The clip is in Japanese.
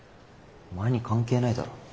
お前に関係ないだろ。